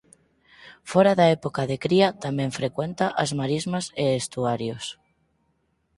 Fóra da época de cría tamén frecuenta as marismas e estuarios.